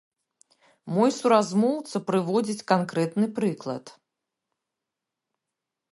Мой суразмоўца прыводзіць канкрэтны прыклад.